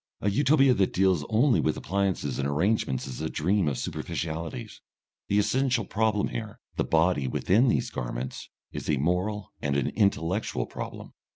A Utopia that deals only with appliances and arrangements is a dream of superficialities; the essential problem here, the body within these garments, is a moral and an intellectual problem.